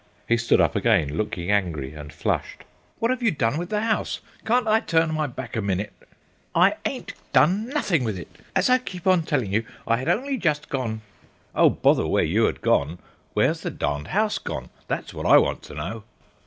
He stood up again, looking angry and flushed. "What have you done with the house? Can't I turn my back a minute—" "I ain't done nothing with it. As I keep on telling you, I had only just gone—" "Oh, bother where you had gone. Where's the darned house gone? that's what I want to know."